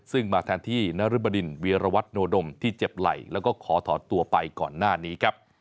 ซึ่งมาแทนที่นรึบดินวีรวัตโนดมที่เจ็บไหล่แล้วก็ขอถอดตัวไปก่อนหน้านี้ครับ